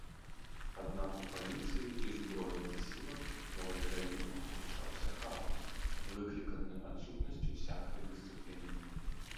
Аднак у паліцыі і ўзброеных сілах новай краіны пачаўся хаос, выкліканы адсутнасцю усякай дысцыпліны.